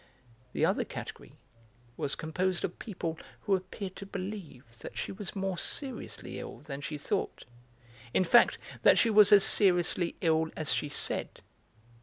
The other category was composed of people who appeared to believe that she was more seriously ill than she thought, in fact that she was as seriously ill as she said.